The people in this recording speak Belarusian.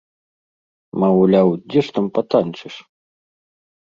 Маўляў, дзе ж там патанчыш?